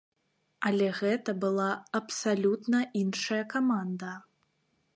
Але гэта была абсалютна іншая каманда.